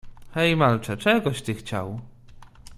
"Hej, malcze, czegoś ty chciał?"